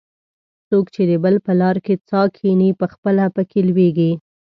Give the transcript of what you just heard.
څوک چې د بل په لار کې څا کیني؛ پخپله په کې لوېږي.